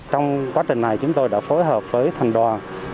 trong quá trình này chúng tôi đã phối hợp với thành đoàn